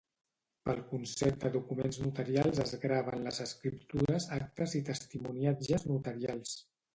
Pel concepte documents notarials es graven les escriptures, actes i testimoniatges notarials.